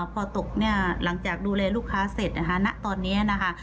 พอตกเนี่ยหลังจากดูแลลูกค้าเสร็จนะคะณตอนนี้นะคะ